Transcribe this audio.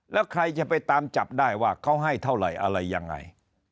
แล้วใครจะไปตามจับได้ว่าเขาให้เท่าไหร่อะไรยังไง